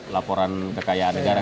laporan kekayaan negara